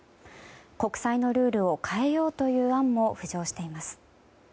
国債のルールを変えようという案も浮上しています。